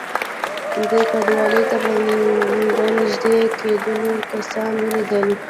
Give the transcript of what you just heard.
دې کنډوالې ته په نږدې کېدلو کسان ولیدل.